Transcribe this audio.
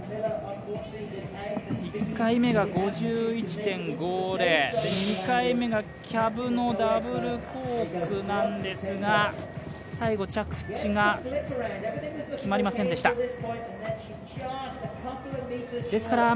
１回目が５１．５０、２回目がキャブのダブルコークなんですが、最後、着地が決まりませんでした。